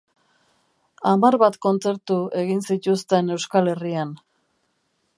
Hamar bat kontzertu egin zituzten Euskal Herrian.